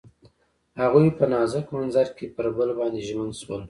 هغوی په نازک منظر کې پر بل باندې ژمن شول.